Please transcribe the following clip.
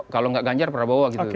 kalau nggak ganjar prabowo gitu